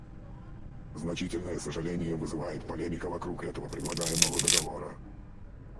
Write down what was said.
Значительное сожаление вызывает полемика вокруг этого предлагаемого договора.